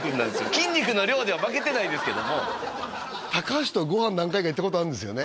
筋肉の量では負けてないですけども高橋とはご飯何回か行ったことあるんですよね？